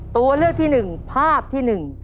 ตัวเลือกที่หนึ่งภาพที่หนึ่ง